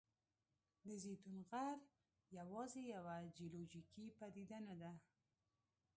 د زیتون غر یوازې یوه جیولوجیکي پدیده نه ده.